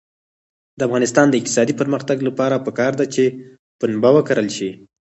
د افغانستان د اقتصادي پرمختګ لپاره پکار ده چې پنبه وکرل شي.